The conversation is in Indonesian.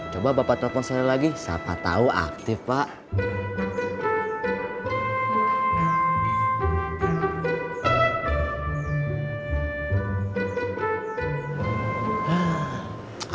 coba bapak telepon saya lagi siapa tahu aktif pak